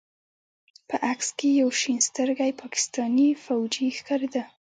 په عکس کښې يو شين سترګى پاکستاني فوجي ښکارېده.